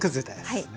はい。